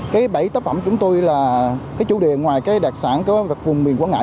cái bảy tác phẩm chúng tôi là cái chủ đề ngoài cái đặc sản của vùng miền quảng ngãi